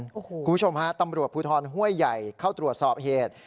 คุณผู้ชมฮะตำรวจภูทรห้วยใหญ่เข้าตรวจสอบเหตุ